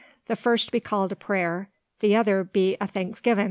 The first be called a prayer, the t'other be a thanksgivin'.